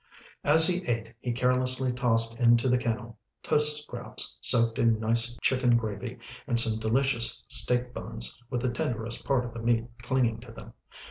As he ate, he carelessly tossed into the kennel, toast scraps soaked in nice chicken gravy, and some delicious steak bones with the tenderest part of the meat clinging to them.